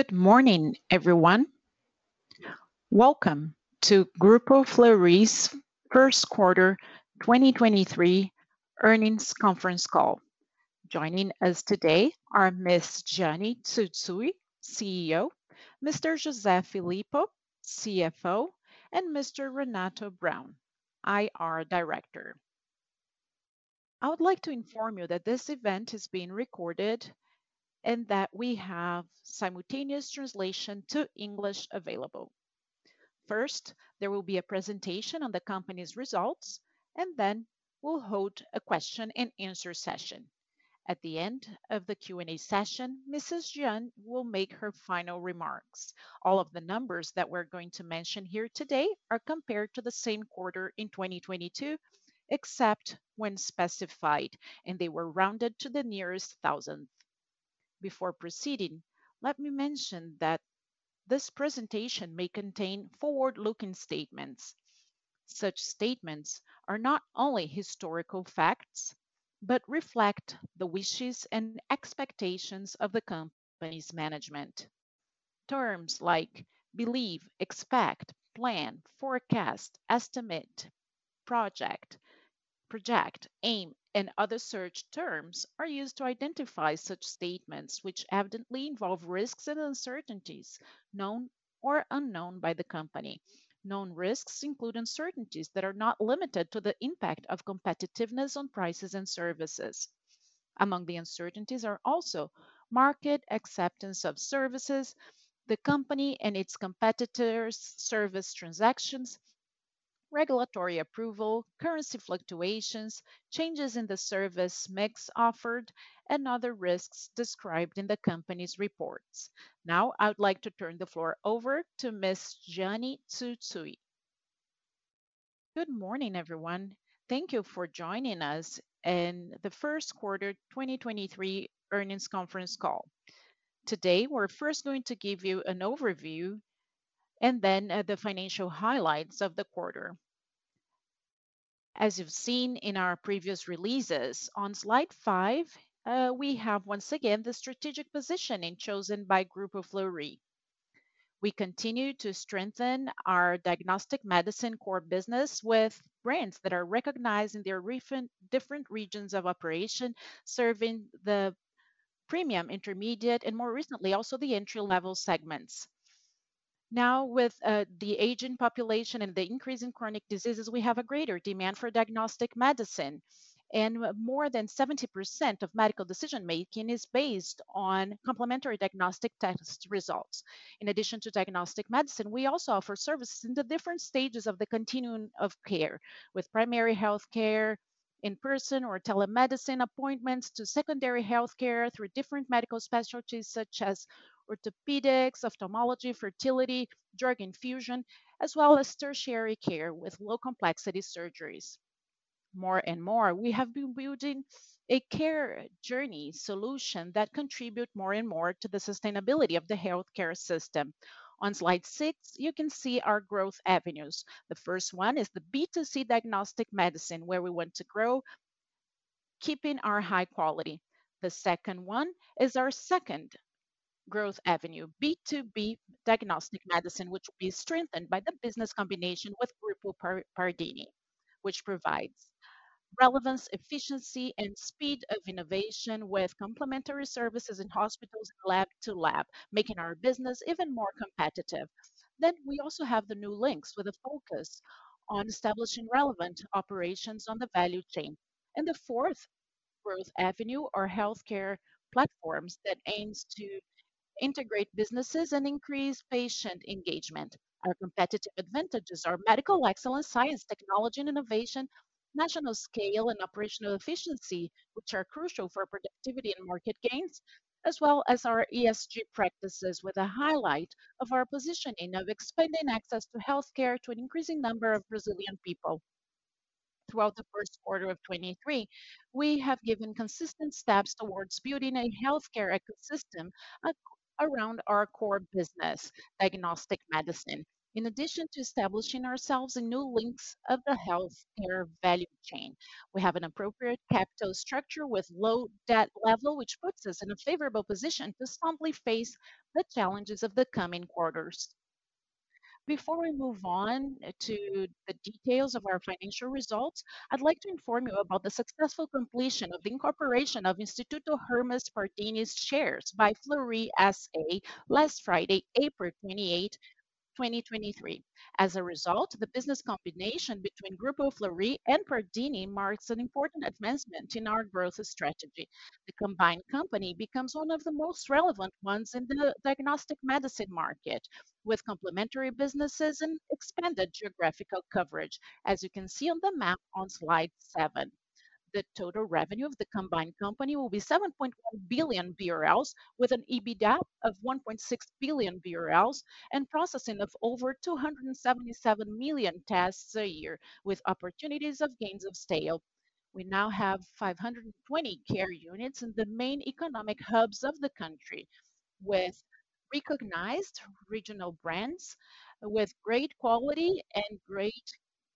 Good morning, everyone. Welcome to Grupo Fleury's first quarter 2023 earnings conference call. Joining us today are Ms. Jeane Tsutsui, CEO, Mr. José Filippo, CFO, and Mr. Renato Braun, IR Director. I would like to inform you that this event is being recorded and that we have simultaneous translation to English available. First, there will be a presentation on the company's results, and then we'll hold a question-and-answer session. At the end of the Q&A session, Ms. Jeane will make her final remarks. All of the numbers that we're going to mention here today are compared to the same quarter in 2022, except when specified, and they were rounded to the nearest thousandth. Before proceeding, let me mention that this presentation may contain forward-looking statements. Such statements are not only historical facts, but reflect the wishes and expectations of the company's management. Terms like believe, expect, plan, forecast, estimate, project, aim, and other search terms are used to identify such statements which evidently involve risks and uncertainties known or unknown by the company. Known risks include uncertainties that are not limited to the impact of competitiveness on prices and services. Among the uncertainties are also market acceptance of services, the company and its competitors service transactions, regulatory approval, currency fluctuations, changes in the service mix offered, and other risks described in the company's reports. I'd like to turn the floor over to Ms. Jeane Tsutsui. Good morning, everyone. Thank you for joining us in the first quarter 2023 earnings conference call. Today, we're first going to give you an overview and then the financial highlights of the quarter. As you've seen in our previous releases, on slide five, we have once again the strategic positioning chosen by Grupo Fleury. We continue to strengthen our diagnostic medicine core business with brands that are recognized in their different regions of operation, serving the premium, intermediate, and more recently, also the entry-level segments. With the aging population and the increase in chronic diseases, we have a greater demand for diagnostic medicine. More than 70% of medical decision-making is based on complementary diagnostic test results. In addition to diagnostic medicine, we also offer services in the different stages of the continuum of care with primary healthcare in person or telemedicine appointments to secondary healthcare through different medical specialties such as orthopedics, ophthalmology, fertility, drug infusion, as well as tertiary care with low complexity surgeries. More and more, we have been building a care journey solution that contribute more and more to the sustainability of the healthcare system. On slide six, you can see our growth avenues. The first one is the B2C diagnostic medicine, where we want to grow, keeping our high quality. The second one is our second growth avenue, B2B diagnostic medicine, which will be strengthened by the business combination with Grupo Pardini, which provides relevance, efficiency, and speed of innovation with complementary services in hospitals lab-to-lab, making our business even more competitive. We also have the New Links with a focus on establishing relevant operations on the value chain. The fourth growth avenue are healthcare platforms that aims to integrate businesses and increase patient engagement. Our competitive advantages are medical excellence, science, technology, and innovation, national scale and operational efficiency, which are crucial for productivity and market gains, as well as our ESG practices with a highlight of our positioning of expanding access to healthcare to an increasing number of Brazilian people. Throughout the first quarter of 2023, we have given consistent steps towards building a healthcare ecosystem around our core business, diagnostic medicine. Establishing ourselves in new links of the healthcare value chain, we have an appropriate capital structure with low debt level, which puts us in a favorable position to strongly face the challenges of the coming quarters. Before we move on to the details of our financial results, I'd like to inform you about the successful completion of the incorporation of Instituto Hermes Pardini's shares by Fleury S.A. last Friday, April 28, 2023. As a result, the business combination between Grupo Fleury and Pardini marks an important advancement in our growth strategy. The combined company becomes one of the most relevant ones in the diagnostic medicine market, with complementary businesses and expanded geographical coverage, as you can see on the map on slide 7. The total revenue of the combined company will be 7.1 billion BRL with an EBITDA of 1.6 billion BRL and processing of over 277 million tests a year with opportunities of gains of scale. We now have 520 care units in the main economic hubs of the country with recognized regional brands with great quality and great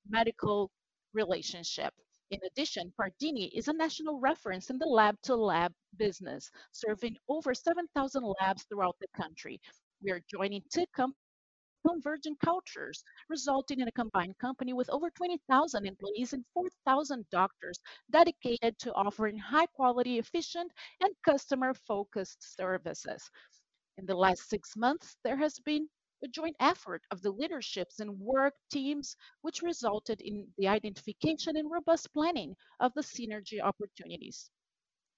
medical relationship. In addition, Pardini is a national reference in the lab-to-lab business, serving over 7,000 labs throughout the country. We are joining two [inaudible] from virgin cultures, resulting in a combined company with over 20,000 employees and 4,000 doctors dedicated to offering high quality, efficient, and customer-focused services. In the last six months, there has been a joint effort of the leaderships and work teams which resulted in the identification and robust planning of the synergy opportunities.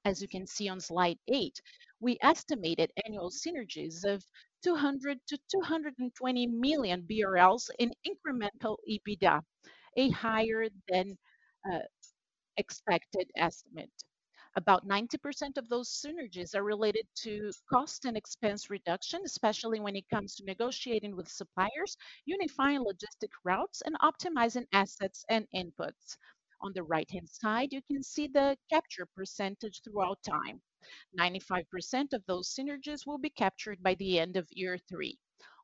As you can see on slide eight, we estimated annual synergies of 200 million-220 million BRL in incremental EBITDA, a higher than expected estimate. About 90% of those synergies are related to cost and expense reduction, especially when it comes to negotiating with suppliers, unifying logistic routes, and optimizing assets and inputs. On the right-hand side, you can see the capture percentage throughout time. 95% of those synergies will be captured by the end of year three.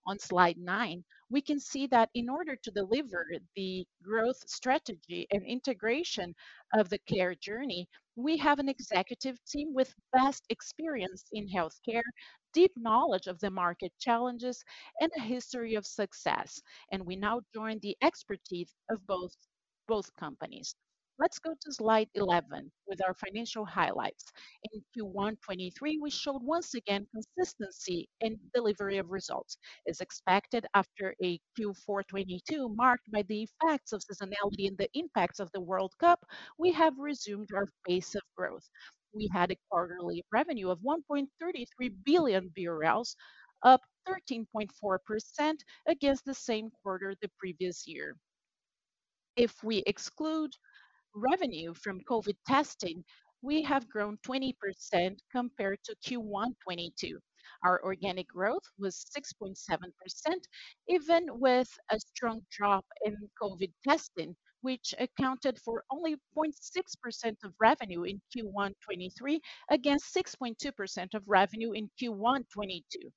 On slide nine, we can see that in order to deliver the growth strategy and integration of the care journey, we have an executive team with vast experience in healthcare, deep knowledge of the market challenges, and a history of success. We now join the expertise of both companies. Let's go to slide 11 with our financial highlights. In Q1 2023, we showed once again consistency in delivery of results. As expected after a Q4 2022 marked by the effects of seasonality and the impacts of the World Cup, we have resumed our pace of growth. We had a quarterly revenue of BRL 1.33 billion, up 13.4% against the same quarter the previous year. If we exclude revenue from COVID testing, we have grown 20% compared to Q1 2022. Our organic growth was 6.7%, even with a strong drop in COVID testing, which accounted for only 0.6% of revenue in Q1 2023 against 6.2% of revenue in Q1 2022.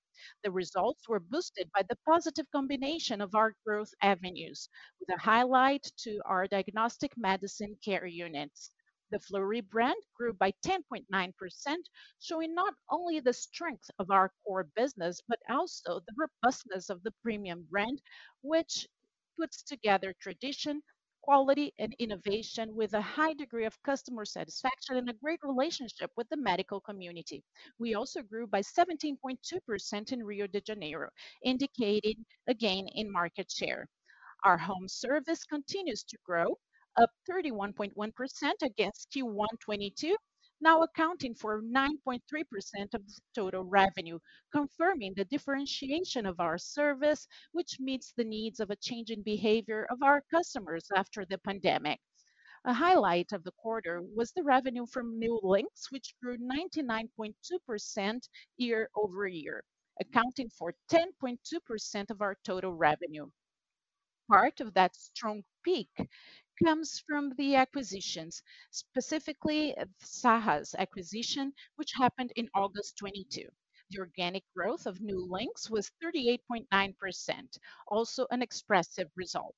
The results were boosted by the positive combination of our growth avenues, with a highlight to our diagnostic medicine care units. The Fleury brand grew by 10.9%, showing not only the strength of our core business, but also the robustness of the premium brand, which puts together tradition, quality, and innovation with a high degree of customer satisfaction and a great relationship with the medical community. We also grew by 17.2% in Rio de Janeiro, indicating a gain in market share. Our home service continues to grow, up 31.1% against Q1 2022, now accounting for 9.3% of total revenue, confirming the differentiation of our service, which meets the needs of a change in behavior of our customers after the pandemic. A highlight of the quarter was the revenue from New Links, which grew 99.2% year-over-year, accounting for 10.2% of our total revenue. Part of that strong peak comes from the acquisitions, specifically Saha's acquisition, which happened in August 2022. The organic growth of New Links was 38.9%, also an expressive result.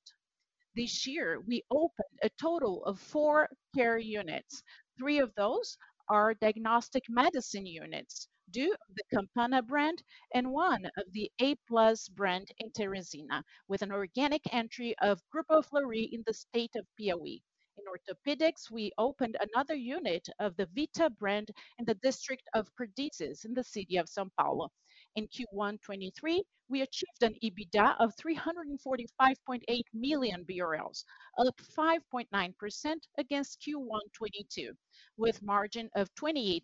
This year, we opened a total of four care units. Three of those are diagnostic medicine units, two of the Campana brand and one of the a+ brand in Teresina, with an organic entry of Grupo Fleury in the state of Piauí. In Orthopedics, we opened another unit of the Vita brand in the District of Perdizes in the city of São Paulo. In Q1 2023, we achieved an EBITDA of 345.8 million BRL, up 5.9% against Q1 2022, with margin of 28%.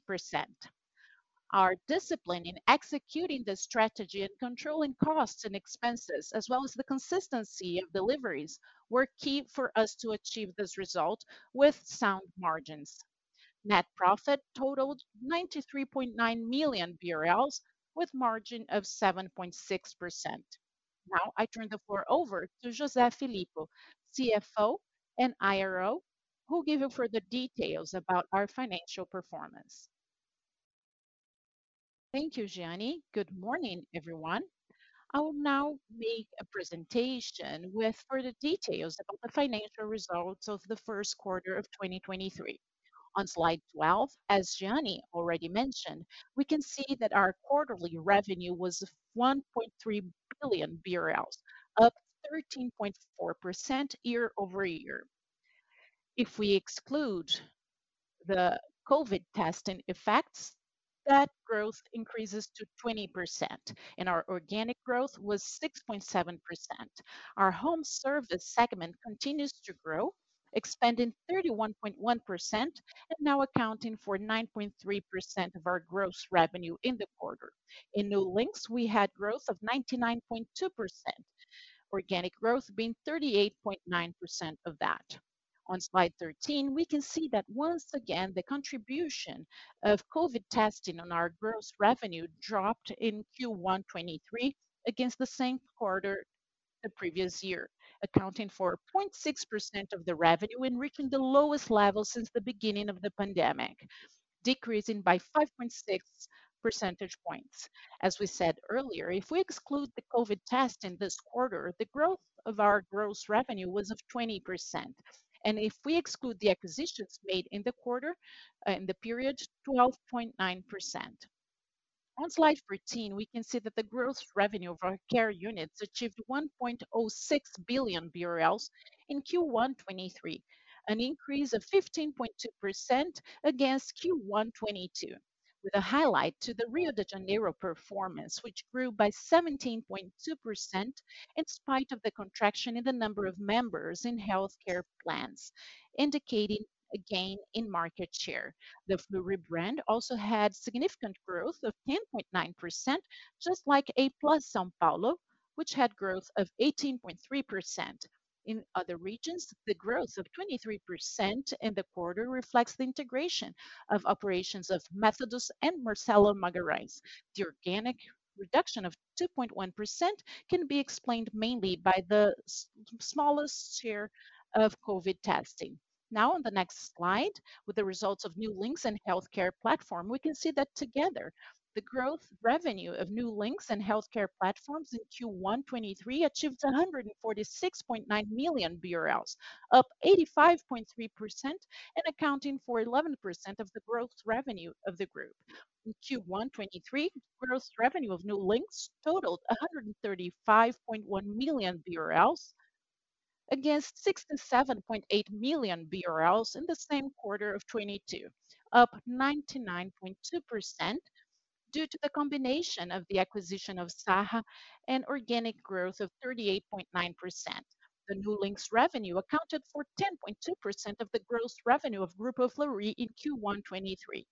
Our discipline in executing the strategy and controlling costs and expenses, as well as the consistency of deliveries, were key for us to achieve this result with sound margins. Net profit totaled 93.9 million BRL with margin of 7.6%. I turn the floor over to José Filippo, CFO and IRO, who'll give you further details about our financial performance. Thank you, Jeane. Good morning, everyone. I will now make a presentation with further details about the financial results of the first quarter of 2023.On slide 12, as Jeane already mentioned, we can see that our quarterly revenue was 1.3 billion BRL, up 13.4% year-over-year. If we exclude the COVID testing effects, that growth increases to 20%. Our organic growth was 6.7%. Our home service segment continues to grow, expanding 31.1% and now accounting for 9.3% of our gross revenue in the quarter. In New Links, we had growth of 99.2%. Organic growth being 38.9% of that. On slide 13, we can see that once again, the contribution of COVID testing on our gross revenue dropped in Q1 2023 against the same quarter the previous year, accounting for 0.6% of the revenue and reaching the lowest level since the beginning of the pandemic, decreasing by 5.6 percentage points. As we said earlier, if we exclude the COVID testing this quarter, the growth of our gross revenue was of 20%. If we exclude the acquisitions made in the quarter, in the period, 12.9%. On slide 13, we can see that the gross revenue of our care units achieved 1.06 billion BRL in Q1 2023, an increase of 15.2% against Q1 2022, with a highlight to the Rio de Janeiro performance, which grew by 17.2% in spite of the contraction in the number of members in healthcare plans, indicating a gain in market share. The Fleury brand also had significant growth of 10.9%, just like a+ São Paulo, which had growth of 18.3%. In other regions, the growth of 23% in the quarter reflects the integration of operations of Méthodos and Marcelo Magalhães. The organic reduction of 2.1% can be explained mainly by the smallest share of COVID testing. On the next slide, with the results of New Links and healthcare platform, we can see that together the growth revenue of New Links and healthcare platforms in Q1 2023 achieved 146.9 million BRL, up 85.3% and accounting for 11% of the growth revenue of the group. In Q1 2023, gross revenue of New Links totaled 135.1 million BRL against 67.8 million BRL in the same quarter of 2022, up 99.2% due to the combination of the acquisition of Saha and organic growth of 38.9%. The New Links revenue accounted for 10.2% of the gross revenue of Grupo Fleury in Q1 2023.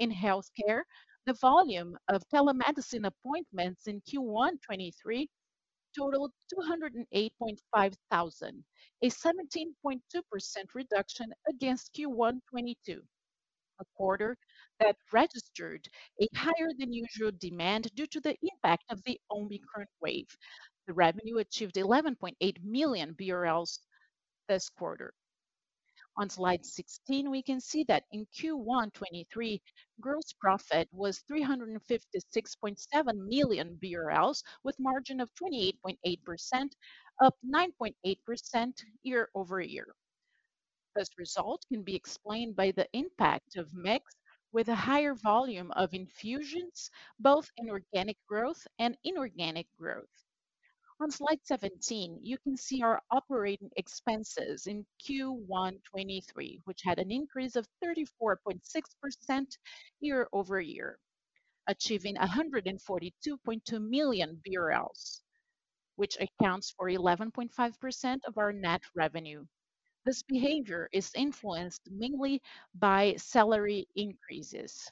In healthcare, the volume of telemedicine appointments in Q1 2023 totaled 208.5 thousand, a 17.2% reduction against Q1 2022, a quarter that registered a higher than usual demand due to the impact of the Omicron wave. The revenue achieved 11.8 million BRL this quarter. On slide 16, we can see that in Q1 2023, gross profit was 356.7 million BRL, with margin of 28.8%, up 9.8% year-over-year. This result can be explained by the impact of mix with a higher volume of infusions, both in organic growth and inorganic growth. On slide 17, you can see our operating expenses in Q1 2023, which had an increase of 34.6% year-over-year, achieving 142.2 million BRL, which accounts for 11.5% of our net revenue. This behavior is influenced mainly by salary increases.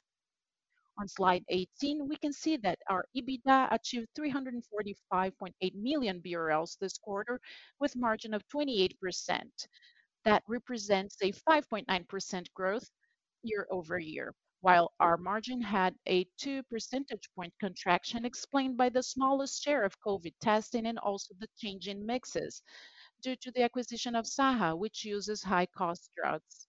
On slide 18, we can see that our EBITDA achieved 345.8 million BRL this quarter, with margin of 28%. That represents a 5.9% growth year-over-year, while our margin had a two percentage point contraction explained by the smallest share of COVID testing and also the change in mixes due to the acquisition of Saha, which uses high cost drugs.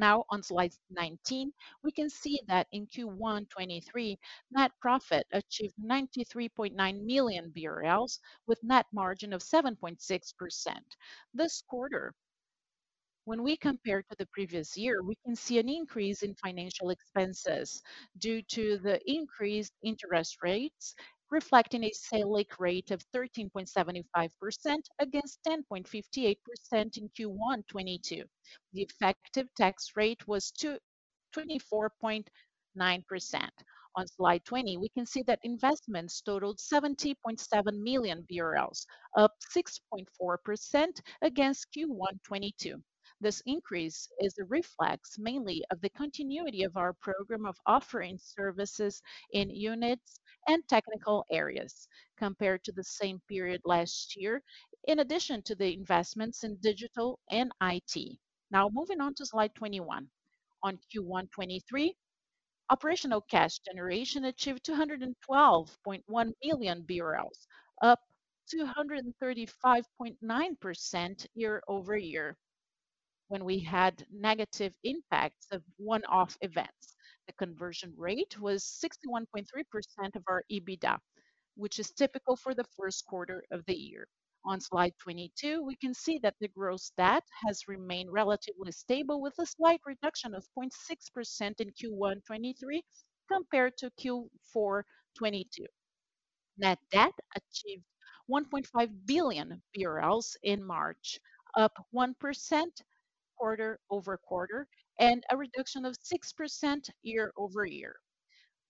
On slide 19, we can see that in Q1 2023, net profit achieved 93.9 million BRL, with net margin of 7.6%. This quarter, when we compare to the previous year, we can see an increase in financial expenses due to the increased interest rates, reflecting a SELIC rate of 13.75% against 10.58% in Q1 2022. The effective tax rate was 24.9%. On slide 20, we can see that investments totaled BRL 70.7 million, up 6.4% against Q1 2022. This increase is a reflex mainly of the continuity of our program of offering services in units and technical areas compared to the same period last year, in addition to the investments in digital and IT. Moving on to slide 21. On Q1 2023, operational cash generation achieved 212.1 million BRL, up 235.9% year-over-year when we had negative impacts of one-off events. The conversion rate was 61.3% of our EBITDA, which is typical for the first quarter of the year. On slide 22, we can see that the gross debt has remained relatively stable, with a slight reduction of 0.6% in Q1 2023 compared to Q4 2022. Net debt achieved BRL 1.5 billion in March, up 1% quarter-over-quarter, and a reduction of 6% year-over-year.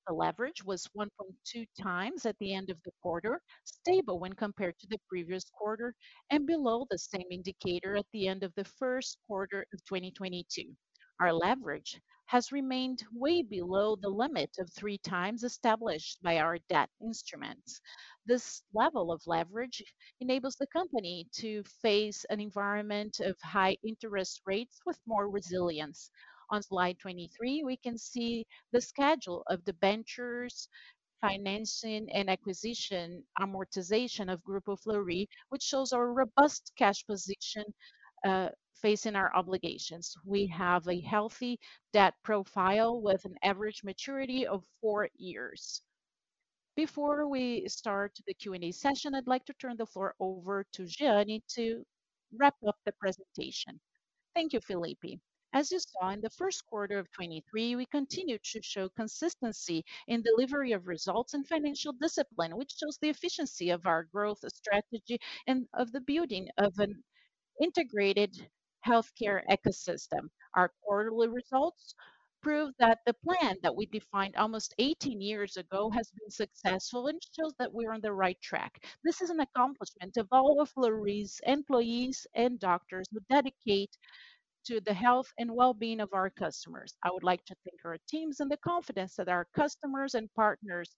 The leverage was 1.2x at the end of the quarter, stable when compared to the previous quarter and below the same indicator at the end of the first quarter of 2022. Our leverage has remained way below the limit of 3x established by our debt instruments. This level of leverage enables the company to face an environment of high interest rates with more resilience. On slide 23, we can see the schedule of debentures, financing, and acquisition amortization of Grupo Fleury, which shows our robust cash position, facing our obligations. We have a healthy debt profile with an average maturity of four years. Before we start the Q&A session, I'd like to turn the floor over to Jeane to wrap up the presentation. Thank you, Filippo. As you saw in the first quarter of 23, we continued to show consistency in delivery of results and financial discipline, which shows the efficiency of our growth strategy and of the building of an integrated healthcare ecosystem. Our quarterly results prove that the plan that we defined almost 18 years ago has been successful and shows that we're on the right track. This is an accomplishment of all of Fleury's employees and doctors who dedicate to the health and well-being of our customers. I would like to thank our teams and the confidence that our customers and partners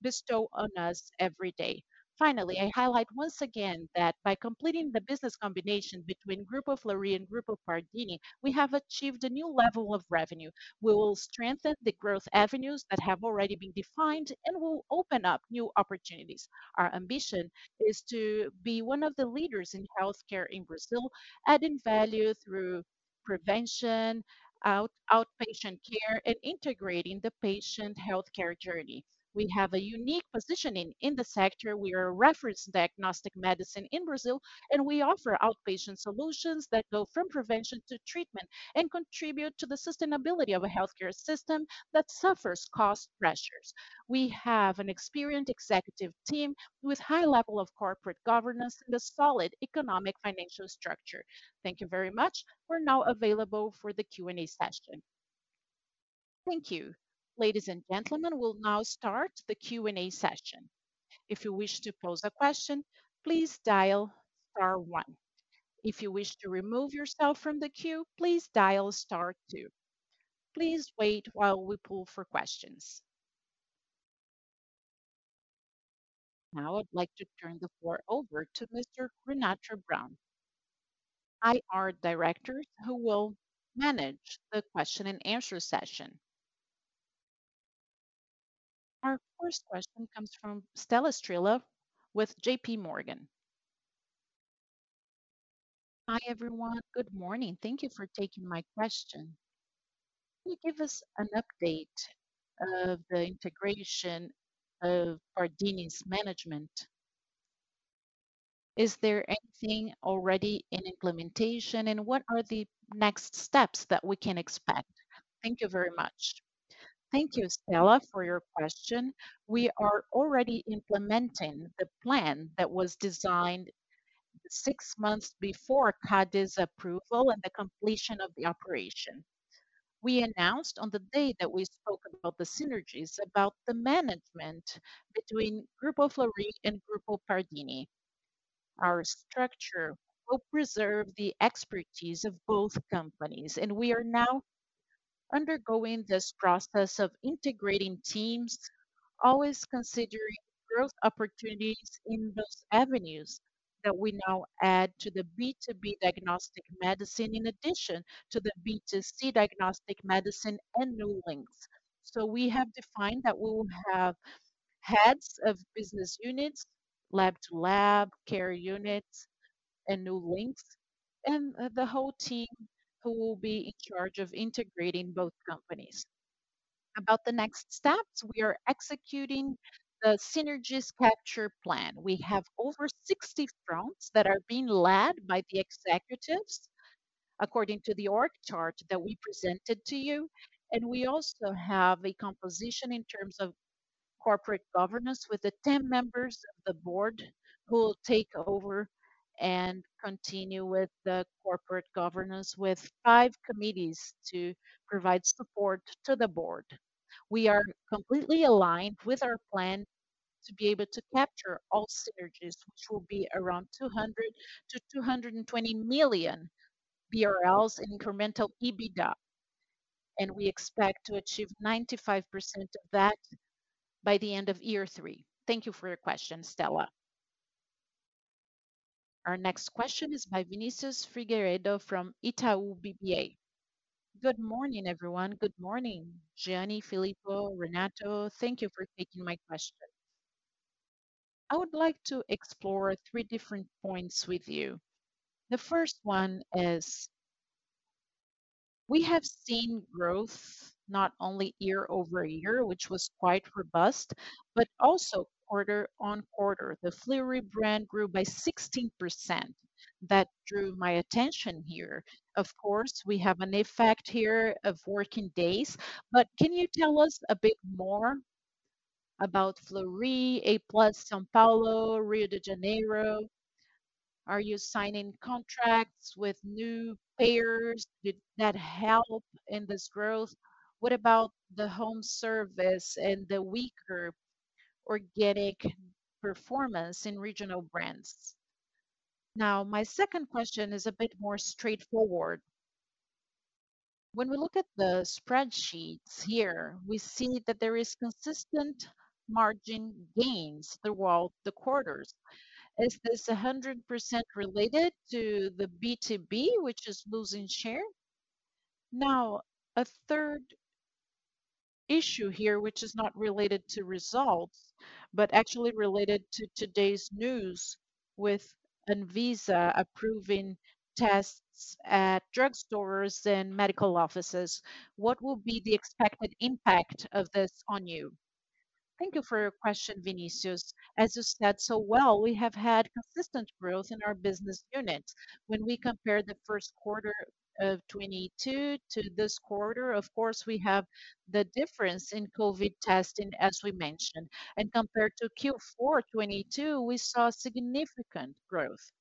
bestow on us every day. I highlight once again that by completing the business combination between Grupo Fleury and Grupo Pardini, we have achieved a new level of revenue. We will strengthen the growth avenues that have already been defined and will open up new opportunities. Our ambition is to be one of the leaders in healthcare in Brazil, adding value through prevention, outpatient care, and integrating the patient healthcare journey. We have a unique positioning in the sector. We are a reference diagnostic medicine in Brazil, and we offer outpatient solutions that go from prevention to treatment and contribute to the sustainability of a healthcare system that suffers cost pressures. We have an experienced executive team with high level of corporate governance and a solid economic financial structure. Thank you very much. We're now available for the Q&A session. Thank you. Ladies and gentlemen, we'll now start the Q&A session. If you wish to pose a question, please dial star one. If you wish to remove yourself from the queue, please dial star two. Please wait while we poll for questions. Now I'd like to turn the floor over to Mr. Renato Braun, IR director, who will manage the question and answer session. Our first question comes from Estela Strano with JP Morgan. Hi, everyone. Good morning. Thank you for taking my question. Can you give us an update of the integration of Pardini's management? Is there anything already in implementation, and what are the next steps that we can expect? Thank you very much. Thank you, Estela, for your question. We are already implementing the plan that was designed 6 months before CADE's approval and the completion of the operation. We announced on the day that we spoke about the synergies about the management between Grupo Fleury and Grupo Pardini. Our structure will preserve the expertise of both companies. We are now undergoing this process of integrating teams, always considering growth opportunities in those avenues that we now add to the B2B diagnostic medicine in addition to the B2C diagnostic medicine and New Links. We have defined that we will have heads of business units, lab-to-lab care units, and New Links, and the whole team who will be in charge of integrating both companies. About the next steps, we are executing the synergies capture plan. We have over 60 fronts that are being led by the executives according to the org chart that we presented to you. We also have a composition in terms of corporate governance with the 10 members of the board who will take over and continue with the corporate governance with five committees to provide support to the board. We are completely aligned with our plan to be able to capture all synergies, which will be around 200 million-220 million BRL in incremental EBITDA, and we expect to achieve 95% of that by the end of year three. Thank you for your question, Estela. Our next question is by Vinicius Figueiredo from Itaú BBA. Good morning, everyone. Good morning, Jeane, Filippo, Renato. Thank you for taking my question. I would like to explore three different points with you. The first one is we have seen growth not only year-over-year, which was quite robust, but also quarter-on-quarter. The Fleury brand grew by 16%. That drew my attention here. Of course, we have an effect here of working days, but can you tell us a bit more about Fleury, a+ São Paulo, Rio de Janeiro? Are you signing contracts with new payers? Did that help in this growth? What about the home service and the weaker organic performance in regional brands? My second question is a bit more straightforward. When we look at the spreadsheets here, we see that there is consistent margin gains throughout the quarters. Is this 100% related to the B2B, which is losing share? A third issue here, which is not related to results, but actually related to today's news. With Anvisa approving tests at drugstores and medical offices, what will be the expected impact of this on you? Thank you for your question, Vinicius. As you said so well, we have had consistent growth in our business units. When we compare the first quarter of 2022 to this quarter, of course, we have the difference in COVID testing as we mentioned. Compared to Q4 2022, we saw significant growth.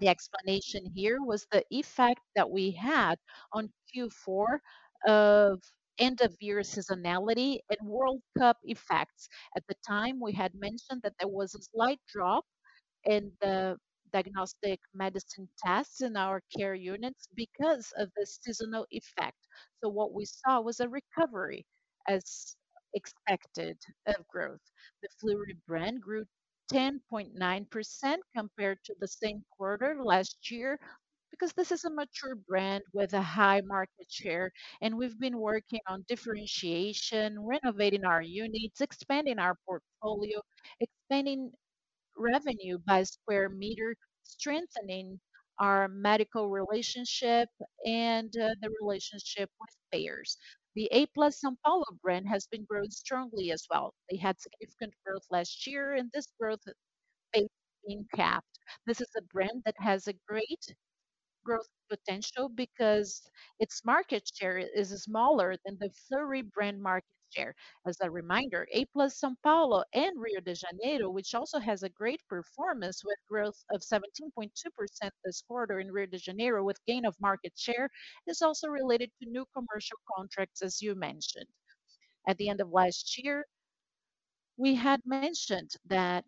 The explanation here was the effect that we had on Q4 of end-of-year seasonality and World Cup effects. At the time, we had mentioned that there was a slight drop in the diagnostic medicine tests in our care units because of the seasonal effect. What we saw was a recovery, as expected, of growth. The Fleury brand grew 10.9% compared to the same quarter last year because this is a mature brand with a high market share, and we've been working on differentiation, renovating our units, expanding our portfolio, expanding revenue by square meter, strengthening our medical relationship and the relationship with payers. The a+ São Paulo brand has been growing strongly as well. They had significant growth last year, and this growth pace being kept. This is a brand that has a great growth potential because its market share is smaller than the Fleury brand market share. As a reminder, a+ São Paulo and Rio de Janeiro, which also has a great performance with growth of 17.2% this quarter in Rio de Janeiro with gain of market share, is also related to new commercial contracts, as you mentioned. At the end of last year, we had mentioned that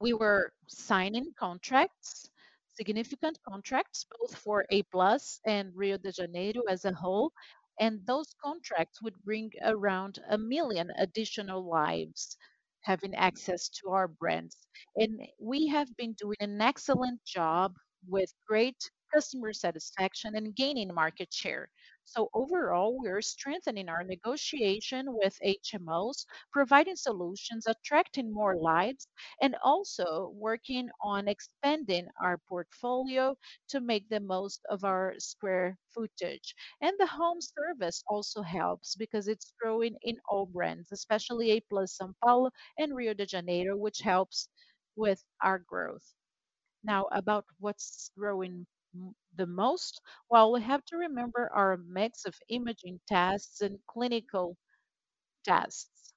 we were signing contracts, significant contracts, both for a+ and Rio de Janeiro as a whole, those contracts would bring around 1 million additional lives having access to our brands. We have been doing an excellent job with great customer satisfaction and gaining market share. Overall, we are strengthening our negotiation with HMOs, providing solutions, attracting more lives, and also working on expanding our portfolio to make the most of our square footage. The home service also helps because it's growing in all brands, especially a+ São Paulo and Rio de Janeiro, which helps with our growth. About what's growing the most. While we have to remember our mix of imaging tests and clinical tests,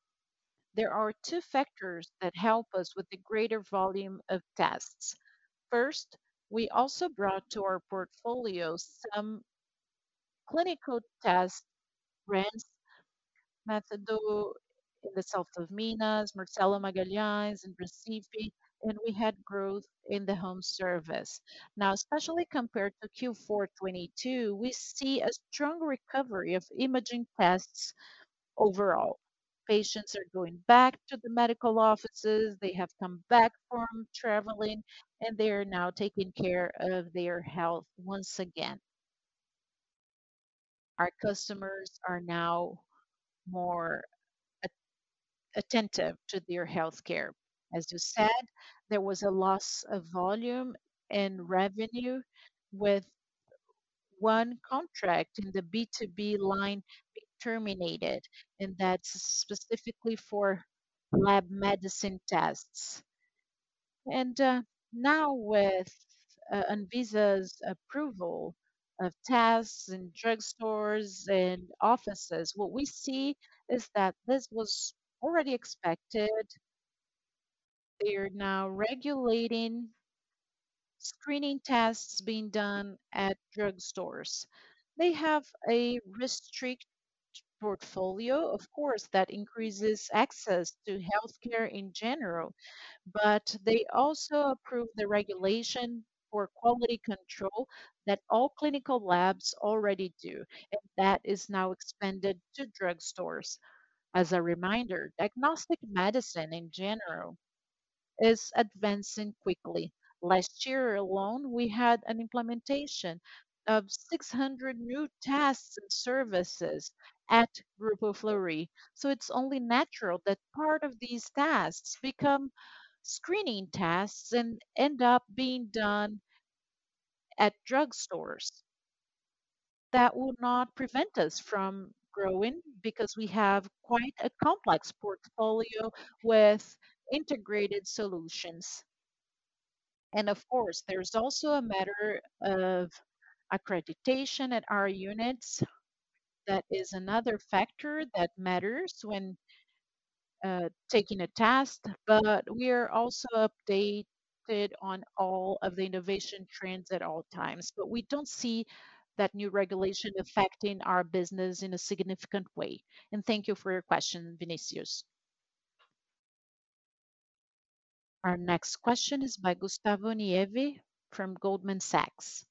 there are two factors that help us with the greater volume of tests. First, we also brought to our portfolio some clinical test brands, Méthodos in the south of Minas, Marcelo Magalhães in Recife, and we had growth in the home service. Now, especially compared to Q4 2022, we see a strong recovery of imaging tests overall. Patients are going back to the medical offices. They have come back from traveling, and they are now taking care of their health once again. Our customers are now more attentive to their healthcare. As you said, there was a loss of volume and revenue with one contract in the B2B line being terminated, and that's specifically for lab medicine tests. Now with Anvisa's approval of tests in drugstores and offices, what we see is that this was already expected. They are now regulating screening tests being done at drugstores. They have a restricted portfolio, of course, that increases access to healthcare in general. They also approve the regulation for quality control that all clinical labs already do, and that is now expanded to drugstores. As a reminder, diagnostic medicine in general is advancing quickly. Last year alone, we had an implementation of 600 new tests and services at Grupo Fleury. It's only natural that part of these tests become screening tests and end up being done at drugstores. That will not prevent us from growing because we have quite a complex portfolio with integrated solutions. Of course, there's also a matter of accreditation at our units. That is another factor that matters when taking a test. We are also updated on all of the innovation trends at all times. We don't see that new regulation affecting our business in a significant way. Thank you for your question, Vinicius. Our next question is by Gustavo Miele from Goldman Sachs.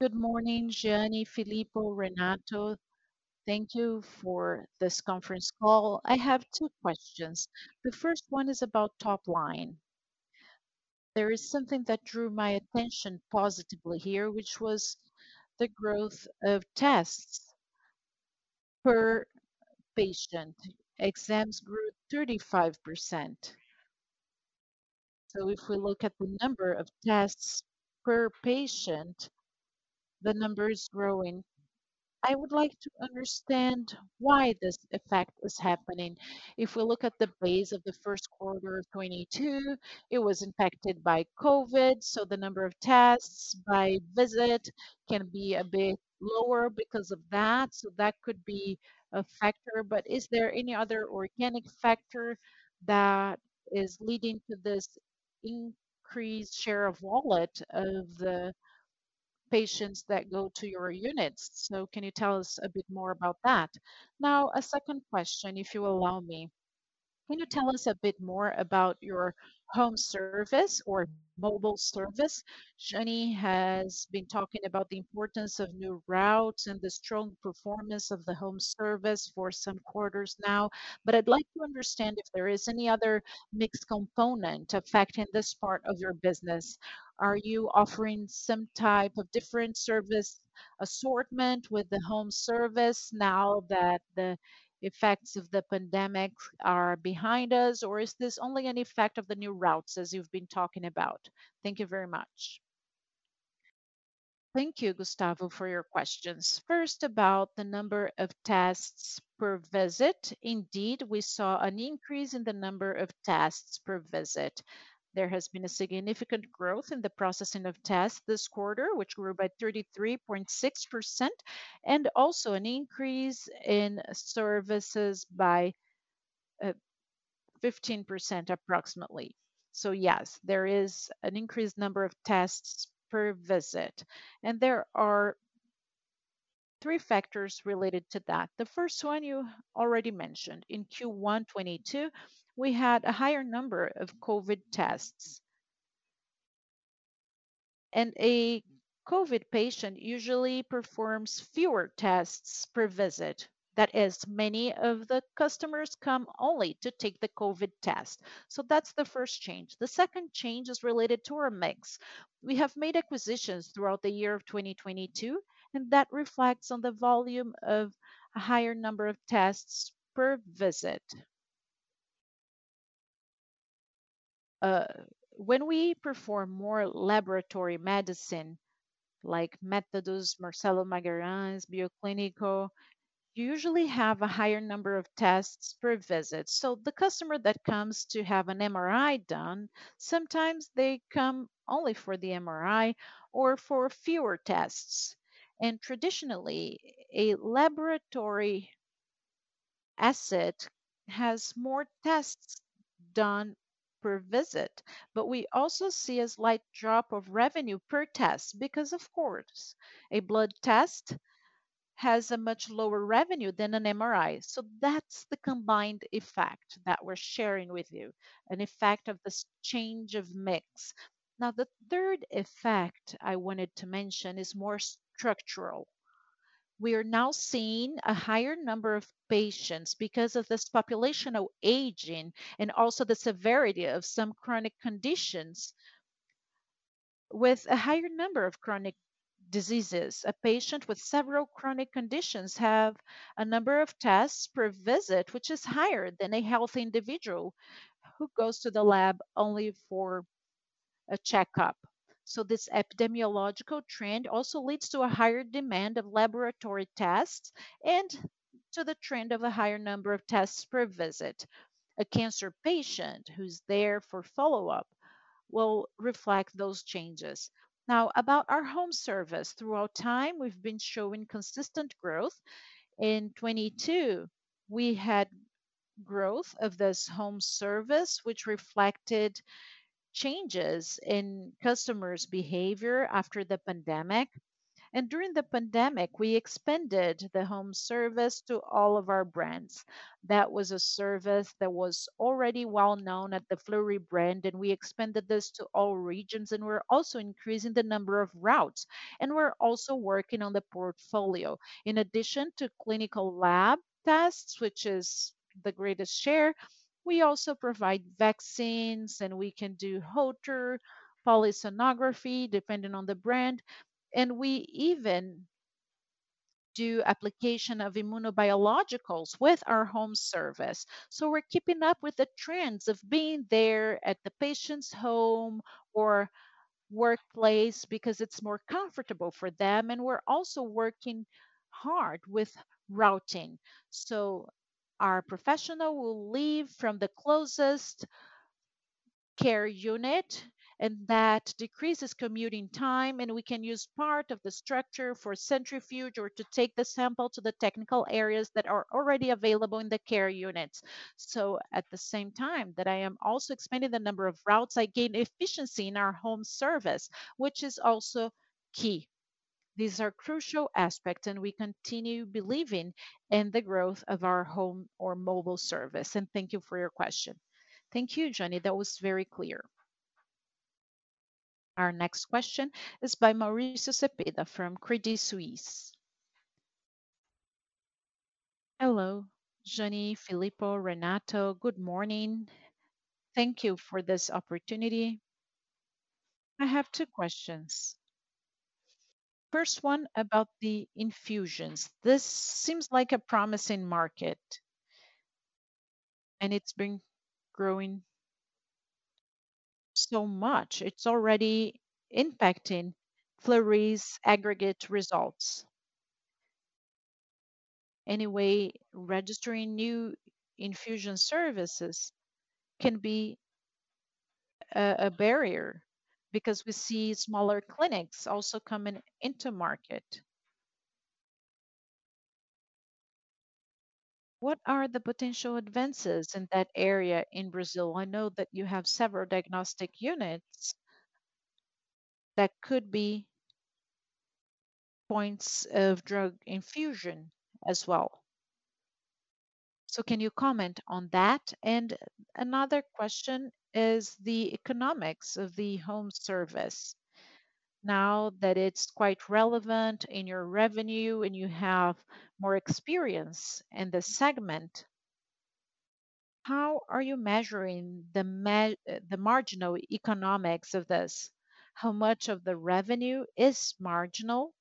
Good morning, Jeane, Filippo, Renato. Thank you for this conference call. I have two questions. The first one is about top line. There is something that drew my attention positively here, which was the growth of tests per patient, exams grew 35%. If we look at the number of tests per patient, the number is growing. I would like to understand why this effect is happening. If we look at the base of the first quarter of 2022, it was impacted by COVID, the number of tests by visit can be a bit lower because of that could be a factor. Is there any other organic factor that is leading to this increased share of wallet of the patients that go to your units? Can you tell us a bit more about that? A second question, if you allow me. Can you tell us a bit more about your home service or mobile service? Jeane Tsutsui has been talking about the importance of new routes and the strong performance of the home service for some quarters now, I'd like to understand if there is any other mixed component affecting this part of your business. Are you offering some type of different service assortment with the home service now that the effects of the pandemic are behind us, is this only an effect of the new routes as you've been talking about? Thank you very much. Thank you, Gustavo Miele, for your questions. About the number of tests per visit. We saw an increase in the number of tests per visit. There has been a significant growth in the processing of tests this quarter, which were by 33.6%. Also, an increase in services by 15% approximately. Yes, there is an increased number of tests per visit. There are three factors related to that. The first one you already mentioned. In Q1 2022, we had a higher number of COVID tests. A COVID patient usually performs fewer tests per visit. That is, many of the customers come only to take the COVID test. That's the first change. The second change is related to our mix. We have made acquisitions throughout the year of 2022. That reflects on the volume of a higher number of tests per visit. When we perform more laboratory medicine, like Méthodos, Marcelo Magalhães, Bioclínico, you usually have a higher number of tests per visit. The customer that comes to have an MRI done, sometimes they come only for the MRI or for fewer tests. Traditionally, a laboratory asset has more tests done per visit. We also see a slight drop of revenue per test because, of course, a blood test has a much lower revenue than an MRI. That's the combined effect that we're sharing with you, an effect of this change of mix. The third effect I wanted to mention is more structural. We are now seeing a higher number of patients because of this populational aging and also the severity of some chronic conditions with a higher number of chronic diseases. A patient with several chronic conditions have a number of tests per visit, which is higher than a healthy individual who goes to the lab only for a checkup. This epidemiological trend also leads to a higher demand of laboratory tests and to the trend of a higher number of tests per visit. A cancer patient who's there for follow-up will reflect those changes. Now, about our home service. Through our time, we've been showing consistent growth. In 2022, we had growth of this home service, which reflected changes in customers' behavior after the pandemic. During the pandemic, we expanded the home service to all of our brands. That was a service that was already well known at the Fleury brand, and we expanded this to all regions, and we're also increasing the number of routes, and we're also working on the portfolio. In addition to clinical lab tests, which is the greatest share, we also provide vaccines, and we can do Holter, polysomnography, depending on the brand, and we even do application of immunobiologicals with our home service. We're keeping up with the trends of being there at the patient's home or workplace because it's more comfortable for them, and we're also working hard with routing. Our professional will leave from the closest care unit, and that decreases commuting time, and we can use part of the structure for centrifuge or to take the sample to the technical areas that are already available in the care units. At the same time that I am also expanding the number of routes, I gain efficiency in our home service, which is also key. These are crucial aspects, and we continue believing in the growth of our home or mobile service. Thank you for your question. Thank you, Jeane. That was very clear. Our next question is by Mauricio Cepeda from Credit Suisse. Hello, Jeane, Filippo, Renato. Good morning. Thank you for this opportunity. I have two questions. First one about the infusions. This seems like a promising market, and it's been growing so much. It's already impacting Fleury's aggregate results. Registering new infusion services can be a barrier because we see smaller clinics also coming into market. What are the potential advances in that area in Brazil? I know that you have several diagnostic units that could be points of drug infusion as well. Can you comment on that? Another question is the economics of the home service. Now that it's quite relevant in your revenue and you have more experience in the segment, how are you measuring the marginal economics of this? How much of the revenue is marginal?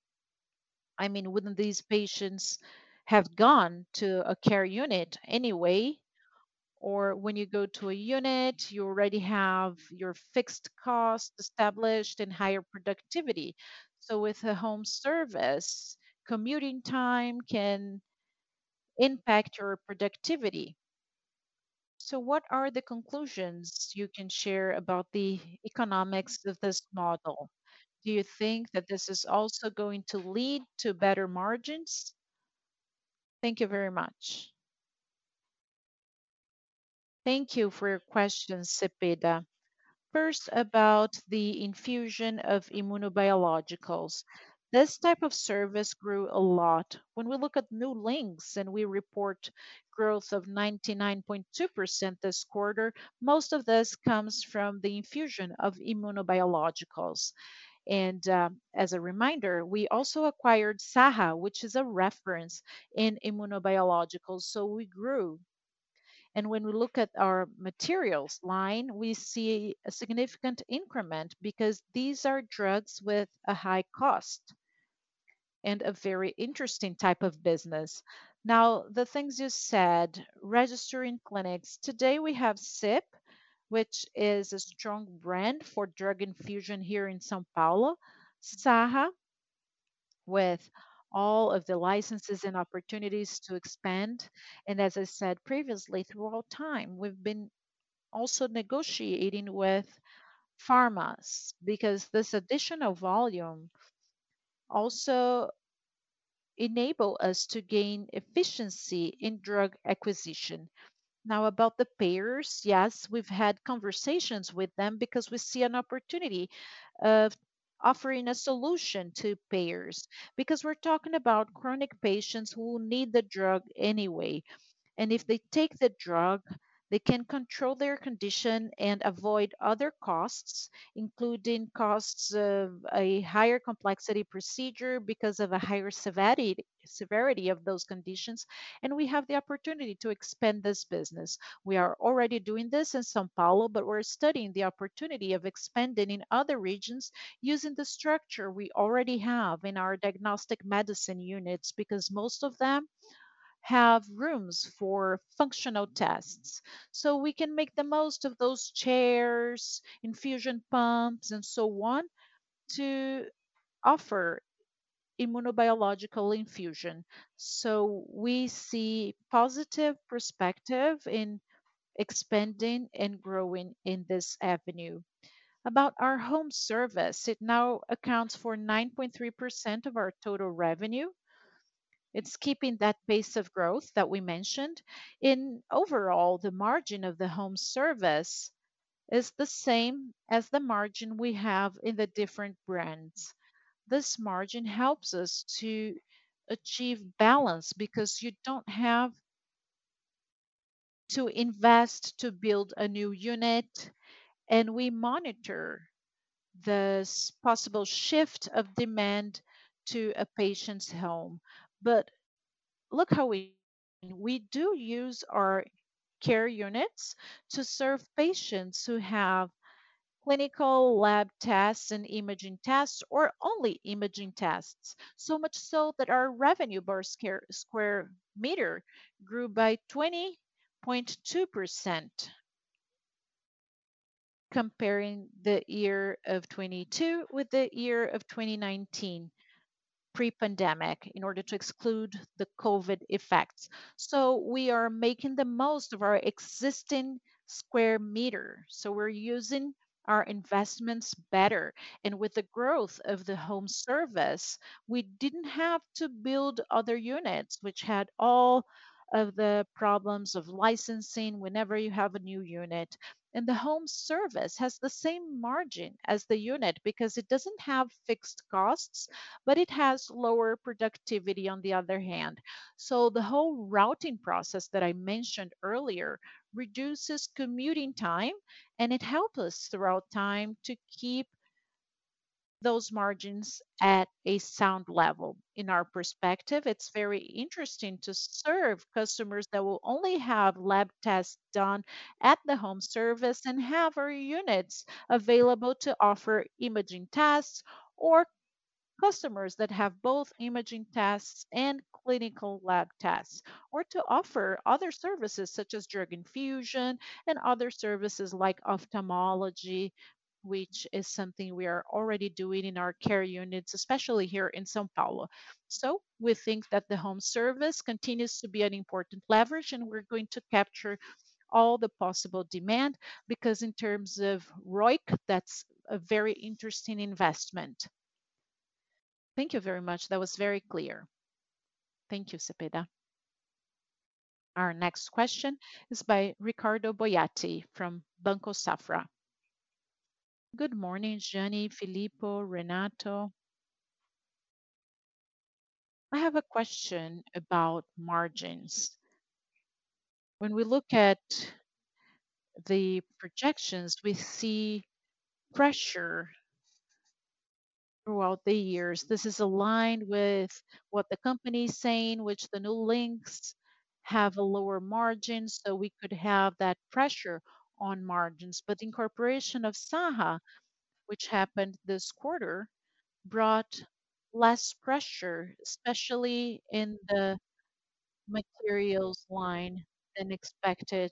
I mean, wouldn't these patients have gone to a care unit anyway? When you go to a unit, you already have your fixed cost established and higher productivity. With a home service, commuting time can impact your productivity. What are the conclusions you can share about the economics of this model? Do you think that this is also going to lead to better margins? Thank you very much. Thank you for your question, Cepeda. First, about the infusion of immunobiologicals. This type of service grew a lot. When we look at New Links, we report growth of 99.2% this quarter, most of this comes from the infusion of immunobiologicals. As a reminder, we also acquired Saha, which is a reference in immunobiologicals, so we grew. When we look at our materials line, we see a significant increment because these are drugs with a high cost and a very interesting type of business. The things you said, registering clinics. Today we have CIP, which is a strong brand for drug infusion here in São Paulo. Saha, with all of the licenses and opportunities to expand. As I said previously, throughout time, we've been also negotiating with pharmas because this additional volume also enable us to gain efficiency in drug acquisition. About the payers. Yes, we've had conversations with them because we see an opportunity of offering a solution to payers, because we're talking about chronic patients who will need the drug anyway. If they take the drug, they can control their condition and avoid other costs, including costs of a higher complexity procedure because of a higher severity of those conditions. We have the opportunity to expand this business. We are already doing this in São Paulo, but we're studying the opportunity of expanding in other regions using the structure we already have in our diagnostic medicine units, because most of them have rooms for functional tests. We can make the most of those chairs, infusion pumps, and so on to offer immunobiological infusion. We see positive perspective in expanding and growing in this avenue. About our home service, it now accounts for 9.3% of our total revenue. It's keeping that pace of growth that we mentioned. In overall, the margin of the home service is the same as the margin we have in the different brands. This margin helps us to achieve balance because you don't have to invest to build a new unit, and we monitor this possible shift of demand to a patient's home. Look how we do use our care units to serve patients who have clinical lab tests and imaging tests or only imaging tests. Much so that our revenue per square meter grew by 20.2% comparing the year of 2022 with the year of 2019 pre-pandemic in order to exclude the COVID effects. We are making the most of our existing square meter, we're using our investments better. With the growth of the home service, we didn't have to build other units, which had all of the problems of licensing whenever you have a new unit. The home service has the same margin as the unit because it doesn't have fixed costs, but it has lower productivity on the other hand. The whole routing process that I mentioned earlier reduces commuting time, and it helped us throughout time to keep those margins at a sound level. In our perspective, it's very interesting to serve customers that will only have lab tests done at the home service and have our units available to offer imaging tests or customers that have both imaging tests and clinical lab tests, or to offer other services such as drug infusion and other services like ophthalmology, which is something we are already doing in our care units, especially here in São Paulo. We think that the home service continues to be an important leverage, and we're going to capture all the possible demand because in terms of ROIC, that's a very interesting investment. Thank you very much. That was very clear. Thank you, Cepeda. Our next question is by Ricardo Boiati from Banco Safra. Good morning, Jeane, Filippo, Renato. I have a question about margins. When we look at the projections, we see pressure throughout the years. This is aligned with what the company is saying, which the New Links have a lower margin, so we could have that pressure on margins. Incorporation of Saha, which happened this quarter, brought less pressure, especially in the materials line than expected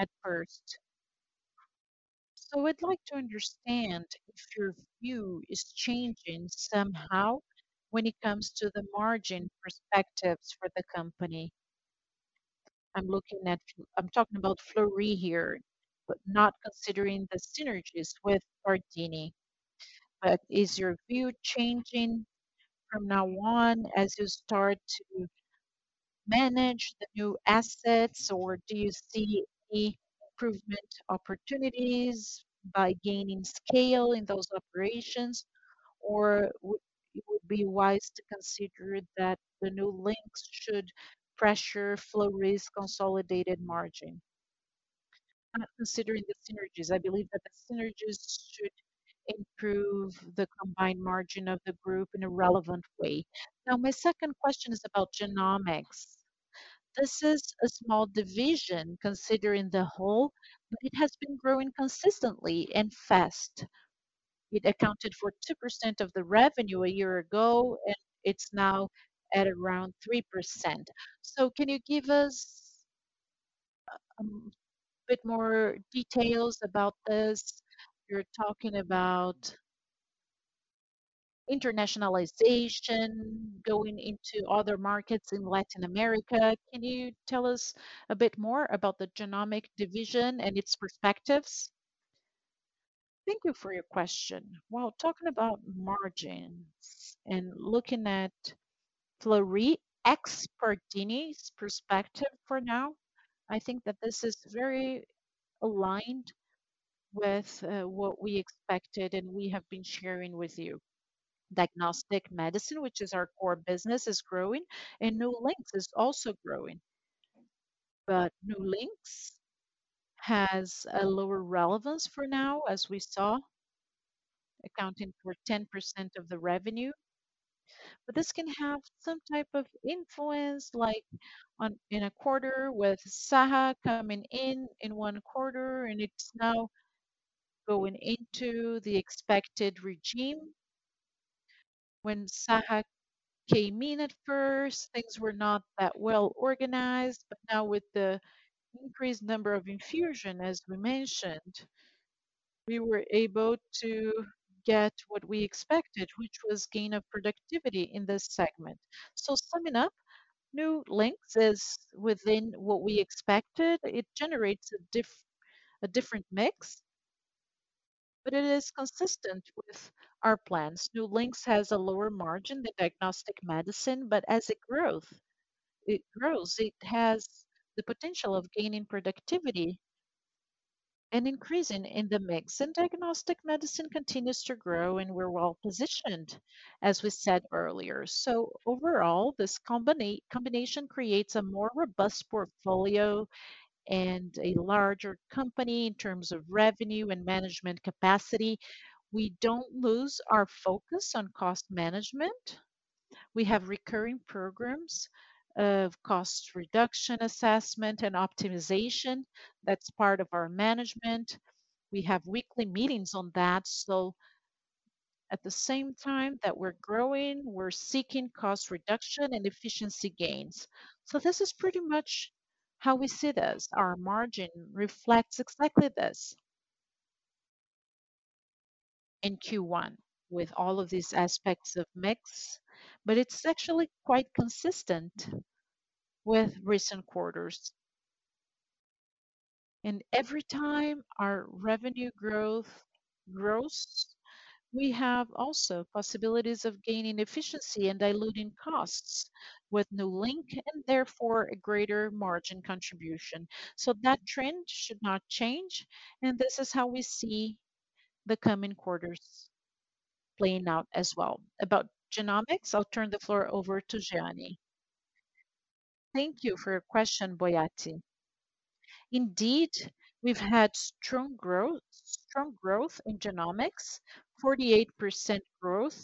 at first. I'd like to understand if your view is changing somehow when it comes to the margin perspectives for the company. I'm talking about Fleury here, but not considering the synergies with Pardini. Is your view changing from now on as you start to manage the new assets, or do you see any improvement opportunities by gaining scale in those operations? Or it would be wise to consider that the New Links should pressure Fleury's consolidated margin? I'm not considering the synergies. I believe that the synergies should improve the combined margin of the group in a relevant way. My second question is about genomics. This is a small division considering the whole, but it has been growing consistently and fast. It accounted for 2% of the revenue a year ago, and it's now at around 3%. Can you give us a bit more details about this? You're talking about internationalization, going into other markets in Latin America. Can you tell us a bit more about the genomic division and its perspectives? Thank you for your question. Talking about margins and looking at Fleury, ex-Pardini's perspective for now, I think that this is very aligned with what we expected and we have been sharing with you. Diagnostic medicine, which is our core business, is growing. New Links is also growing. New Links has a lower relevance for now, as we saw, accounting for 10% of the revenue. This can have some type of influence, like on in a quarter with Saha coming in in 1 quarter. It's now going into the expected regime. When Saha came in at first, things were not that well organized. Now with the increased number of infusion, as we mentioned, we were able to get what we expected, which was gain of productivity in this segment. Summing up, New Links is within what we expected. It generates a different mix. It is consistent with our plans. New Links has a lower margin than diagnostic medicine, but as it grows, it has the potential of gaining productivity and increasing in the mix. Diagnostic medicine continues to grow, and we're well-positioned, as we said earlier. Overall, this combination creates a more robust portfolio and a larger company in terms of revenue and management capacity. We don't lose our focus on cost management. We have recurring programs of cost reduction assessment and optimization. That's part of our management. We have weekly meetings on that. At the same time that we're growing, we're seeking cost reduction and efficiency gains. This is pretty much how we see this. Our margin reflects exactly this. In Q1 with all of these aspects of mix, but it's actually quite consistent with recent quarters. Every time our revenue growth grows, we have also possibilities of gaining efficiency and diluting costs with New Links and therefore a greater margin contribution. That trend should not change. This is how we see the coming quarters playing out as well. About genomics, I'll turn the floor over to Jeane. Thank you for your question, Boiati. Indeed, we've had strong growth in genomics, 48% growth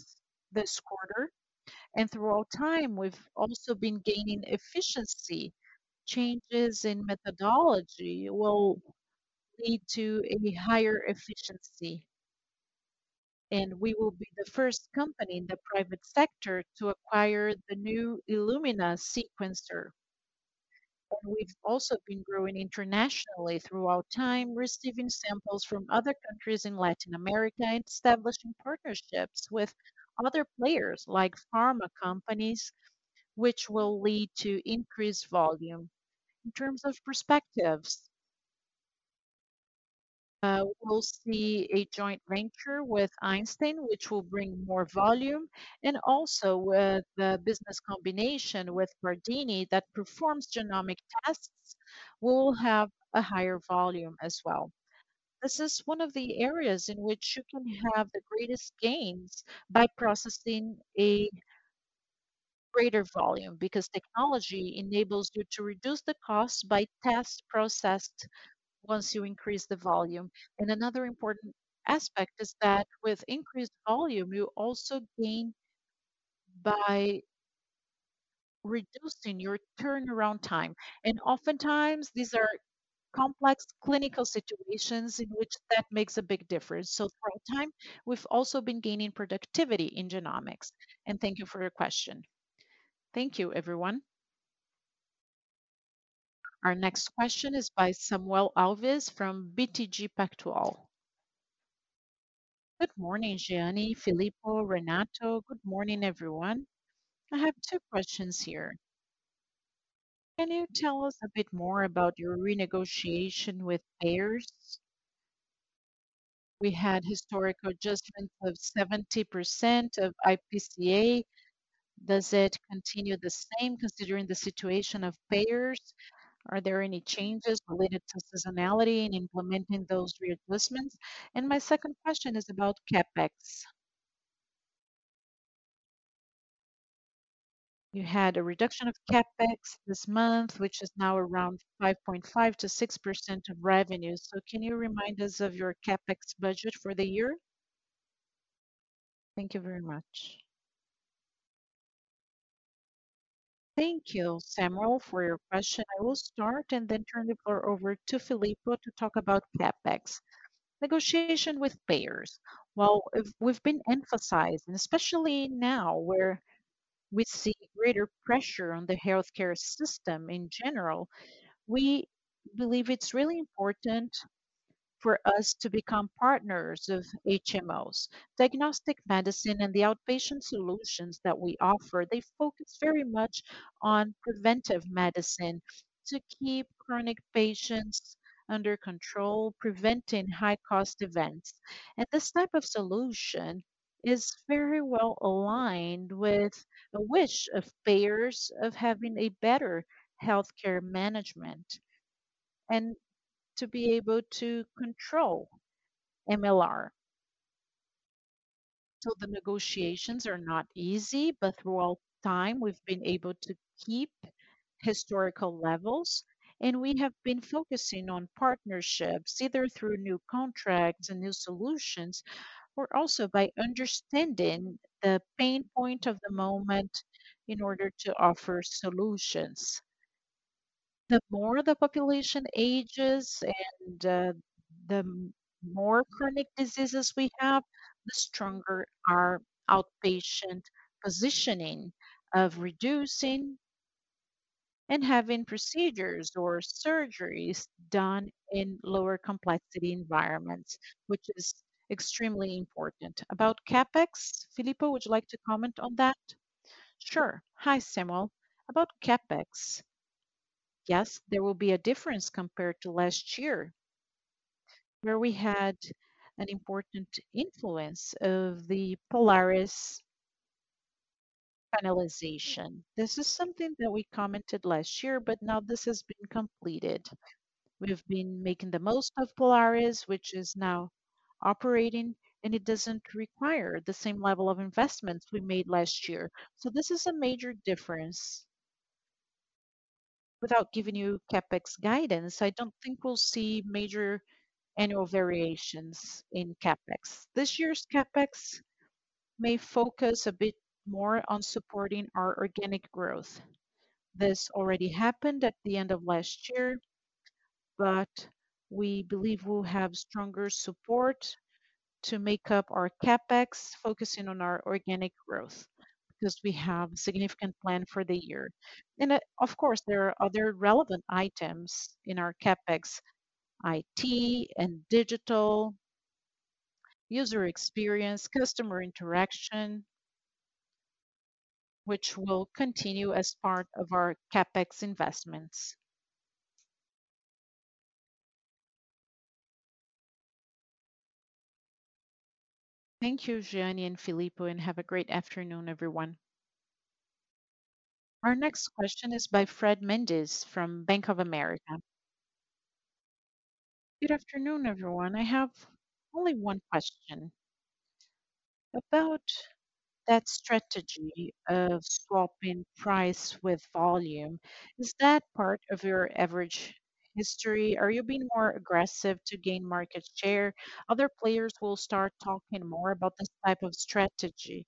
this quarter. Through all time, we've also been gaining efficiency. Changes in methodology will lead to a higher efficiency, and we will be the first company in the private sector to acquire the new Illumina sequencer. We've also been growing internationally throughout time, receiving samples from other countries in Latin America and establishing partnerships with other players like pharma companies, which will lead to increased volume. In terms of perspectives, we'll see a joint venture with Einstein, which will bring more volume. Also with the business combination with Pardini that performs genomic tests, we'll have a higher volume as well. This is one of the areas in which you can have the greatest gains by processing a greater volume, because technology enables you to reduce the cost by tests processed once you increase the volume. Another important aspect is that with increased volume, you also gain by reducing your turnaround time. Oftentimes these are complex clinical situations in which that makes a big difference. Through time, we've also been gaining productivity in genomics. Thank you for your question. Thank you, everyone. Our next question is by Samuel Alves from BTG Pactual. Good morning, Jeane, Filippo, Renato. Good morning, everyone. I have two questions here. Can you tell us a bit more about your renegotiation with payers? We had historic adjustments of 70% of IPCA. Does it continue the same considering the situation of payers? Are there any changes related to seasonality in implementing those readjustments? My second question is about CapEx. You had a reduction of CapEx this month, which is now around 5.5%-6% of revenue. Can you remind us of your CapEx budget for the year? Thank you very much. Thank you, Samuel, for your question. I will start and then turn the floor over to Filippo to talk about CapEx. Negotiation with payers. We've been emphasizing, especially now where we see greater pressure on the healthcare system in general, we believe it's really important for us to become partners of HMOs. Diagnostic medicine and the outpatient solutions that we offer, they focus very much on preventive medicine to keep chronic patients under control, preventing high cost events. This type of solution is very well aligned with the wish of payers of having a better healthcare management and to be able to control MLR. The negotiations are not easy, but through all time we've been able to keep historical levels, and we have been focusing on partnerships, either through new contracts and new solutions, or also by understanding the pain point of the moment in order to offer solutions. The more the population ages and the more chronic diseases we have, the stronger our outpatient positioning of reducing and having procedures or surgeries done in lower complexity environments, which is extremely important. About CapEx, Filippo, would you like to comment on that? Sure. Hi, Samuel.About CapEx, yes, there will be a difference compared to last year where we had an important influence of the Polaris finalization. This is something that we commented last year. Now this has been completed. We have been making the most of Polaris, which is now operating, and it doesn't require the same level of investments we made last year. This is a major difference. Without giving you CapEx guidance, I don't think we'll see major annual variations in CapEx. This year's CapEx may focus a bit more on supporting our organic growth. This already happened at the end of last year. We believe we'll have stronger support to make up our CapEx, focusing on our organic growth because we have significant plan for the year. Of course, there are other relevant items in our CapEx: IT and digital, user experience, customer interaction, which will continue as part of our CapEx investments. Thank you, Jeane and Filippo, and have a great afternoon, everyone. Our next question is by Fred Mendes from Bank of America. Good afternoon, everyone. I have only one question. About that strategy of swapping price with volume, is that part of your average history? Are you being more aggressive to gain market share? Other players will start talking more about this type of strategy.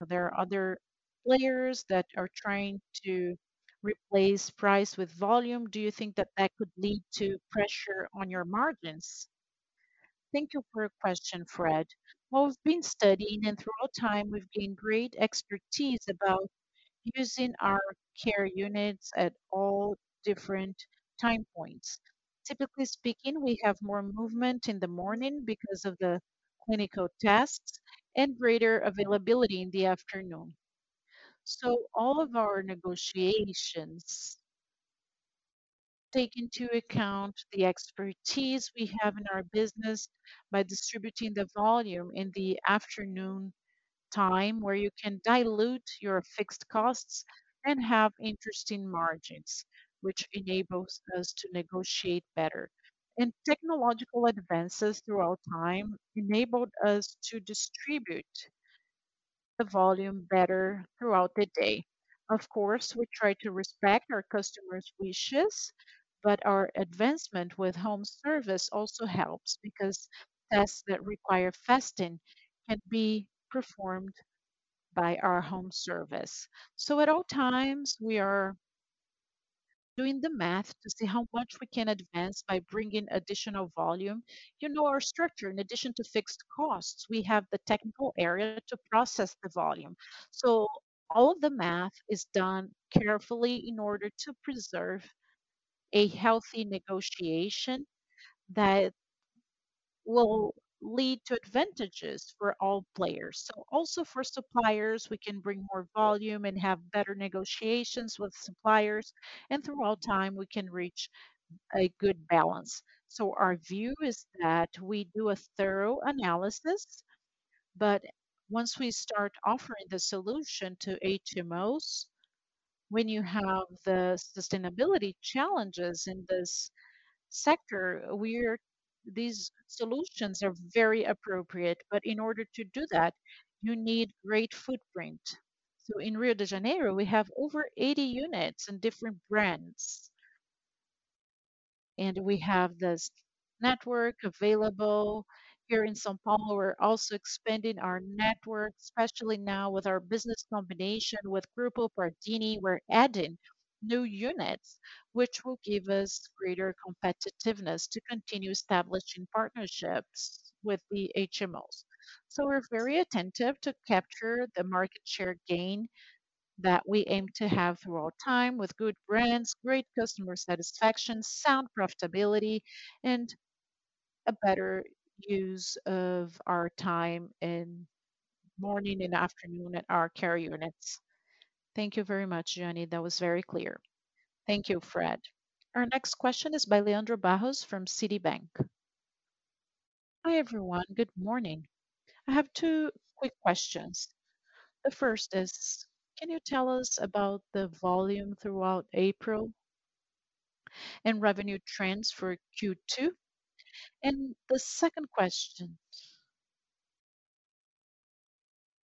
Are there other players that are trying to replace price with volume? Do you think that that could lead to pressure on your margins? Thank you for your question, Fred. Well, we've been studying, and throughout time we've gained great expertise about using our care units at all different time points. Typically speaking, we have more movement in the morning because of the clinical tests and greater availability in the afternoon. All of our negotiations take into account the expertise we have in our business by distributing the volume in the afternoon time, where you can dilute your fixed costs and have interesting margins, which enables us to negotiate better. Technological advances throughout time enabled us to distribute the volume better throughout the day. Of course, we try to respect our customers' wishes, but our advancement with home service also helps because tests that require fasting can be performed by our home service. At all times, we are doing the math to see how much we can advance by bringing additional volume. You know our structure. In addition to fixed costs, we have the technical area to process the volume. All the math is done carefully in order to preserve a healthy negotiation that will lead to advantages for all players. Also for suppliers, we can bring more volume and have better negotiations with suppliers. Throughout time, we can reach a good balance. Our view is that we do a thorough analysis, but once we start offering the solution to HMOs, when you have the sustainability challenges in this sector, these solutions are very appropriate. In order to do that, you need great footprint. In Rio de Janeiro, we have over 80 units and different brands, and we have this network available. Here in São Paulo, we're also expanding our network, especially now with our business combination with Grupo Pardini. We're adding new units, which will give us greater competitiveness to continue establishing partnerships with the HMOs. We're very attentive to capture the market share gain that we aim to have throughout time with good brands, great customer satisfaction, sound profitability, and a better use of our time in morning and afternoon at our care units. Thank you very much, Jan. That was very clear. Thank you, Fred. Our next question is by Leandro Bastos from Citi. Hi, everyone. Good morning. I have two quick questions. The first is, can you tell us about the volume throughout April and revenue trends for Q2? The second question,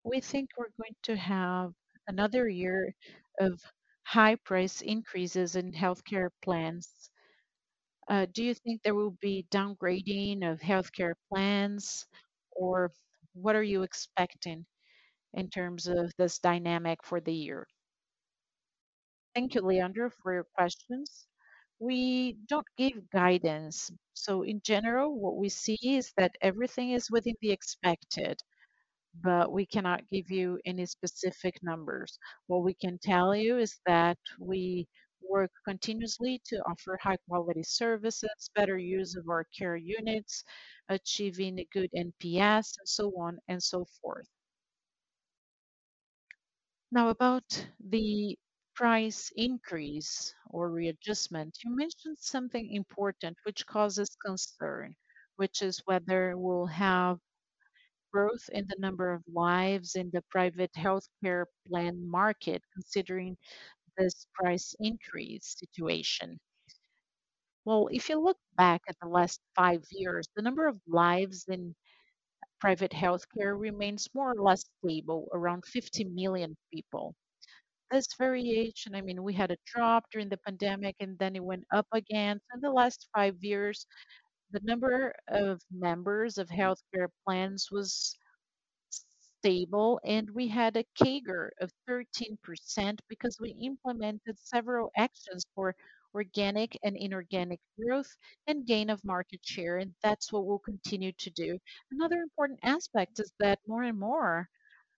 we think we're going to have another year of high price increases in healthcare plans. Do you think there will be downgrading of healthcare plans, or what are you expecting in terms of this dynamic for the year? Thank you, Leandro, for your questions. We don't give guidance. In general, what we see is that everything is within the expected, but we cannot give you any specific numbers. What we can tell you is that we work continuously to offer high quality services, better use of our care units, achieving good NPS, so on and so forth. About the price increase or readjustment, you mentioned something important which causes concern, which is whether we'll have growth in the number of lives in the private healthcare plan market considering this price increase situation. If you look back at the last five years, the number of lives in private healthcare remains more or less stable, around 50 million people. This variation, I mean, we had a drop during the pandemic, it went up again. In the last five years, the number of members of healthcare plans was stable. We had a CAGR of 13% because we implemented several actions for organic and inorganic growth and gain of market share. That's what we'll continue to do. Another important aspect is that more and more,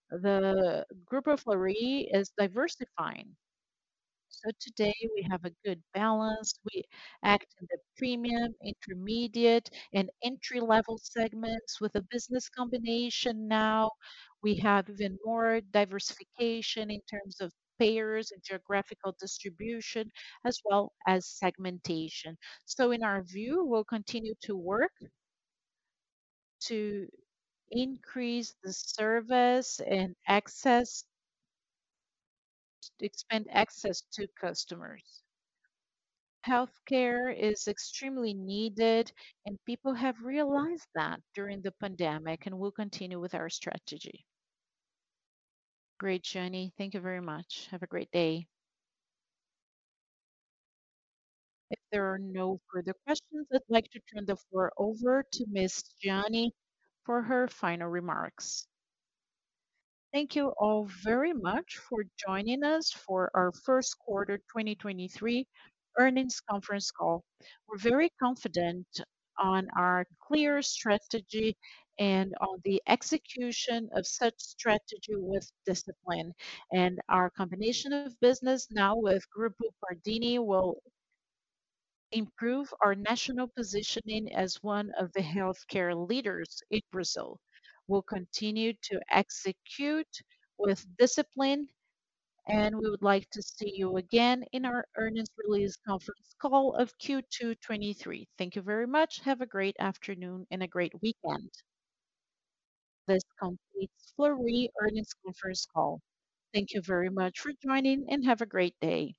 the Grupo Fleury is diversifying. Today we have a good balance. We act in the premium, intermediate, and entry-level segments with a business combination now. We have even more diversification in terms of payers and geographical distribution as well as segmentation. In our view, we'll continue to work to increase the service and expand access to customers. Healthcare is extremely needed, and people have realized that during the pandemic, and we'll continue with our strategy. Great, Jeane Tsutsui. Thank you very much. Have a great day. If there are no further questions, I'd like to turn the floor over to Ms. Jeane Tsutsui for her final remarks. Thank you all very much for joining us for our 1st quarter 2023 earnings conference call. We're very confident on our clear strategy and on the execution of such strategy with discipline. Our combination of business now with Grupo Pardini will improve our national positioning as one of the healthcare leaders in Brazil. We'll continue to execute with discipline, and we would like to see you again in our earnings release conference call of Q2 2023. Thank you very much. Have a great afternoon and a great weekend. This completes Fleury earnings conference call. Thank you very much for joining, and have a great day.